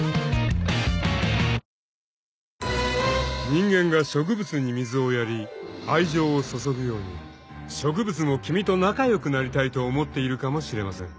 ［人間が植物に水をやり愛情をそそぐように植物も君と仲良くなりたいと思っているかもしれません］